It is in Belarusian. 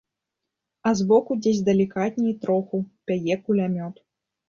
А збоку дзесь далікатней троху пяе кулямёт.